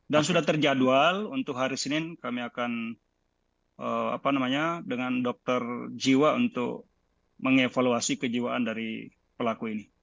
dan sudah terjadwal untuk hari senin kami akan dengan dokter jiwa untuk mengevaluasi kejiwaan dari pelaku ini